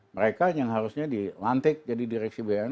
mereka yang harusnya dilantik jadi direksi bumn